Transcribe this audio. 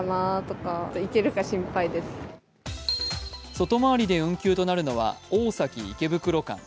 外回りで運休となるのは大崎−池袋間。